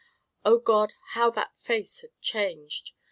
O God, how that face had changed!